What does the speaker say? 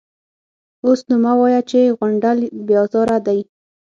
_اوس نو مه وايه چې غونډل بې ازاره دی.